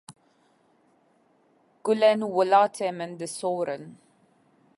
gulên welatê min di sorin